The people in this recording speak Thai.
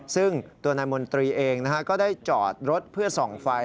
ซึ่งตัวนายมนตรีเองก็ได้จอดรถเพื่อส่องไฟ